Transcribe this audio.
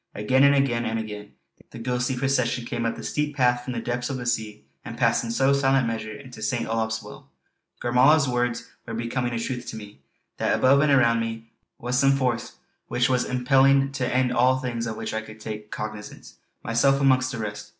Again, and again, and again, the ghostly procession came up the steep path from the depths of the sea, and passed in slow silent measure into St. Olaf's Well. Gormala's words were becoming a truth to me; that above and around me was some force which was impelling to an end all things of which I could take cognizance, myself amongst the rest.